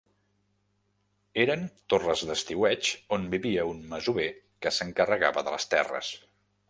Eren torres d'estiueig on vivia un masover que s'encarregava de les terres.